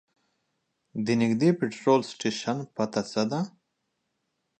د نږدې پټرول سټیشن پته څه ده؟